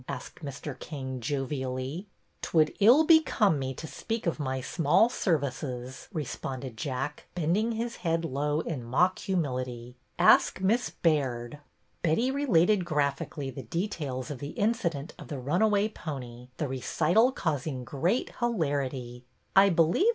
asked Mr. King, jovially. '' 'T would ill become me to speak of my small services," responded Jack, bending his head low in mock humility. Ask Miss Baird." Betty related graphically the details of the in cident of the runaway pony, the recital causing great hilarity. I believe.